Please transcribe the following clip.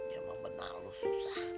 ya mamut aluh susah